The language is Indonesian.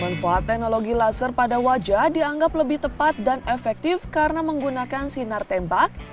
manfaat teknologi laser pada wajah dianggap lebih tepat dan efektif karena menggunakan sinar tembak